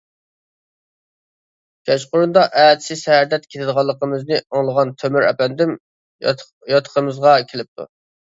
كەچقۇرۇندا ئەتىسى سەھەردە كېتىدىغانلىقىمىزنى ئاڭلىغان تۆمۈر ئەپەندىم ياتىقىمىزغا كېلىپتۇ.